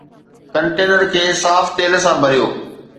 container کي صاف تيل سان ڀريو